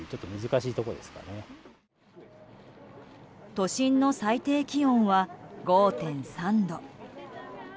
都心の最低気温は５．３度。